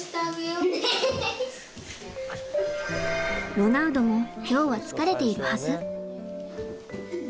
ロナウドも今日は疲れているはず。